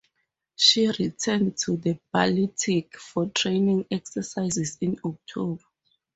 She returned to the Baltic for training exercises in October.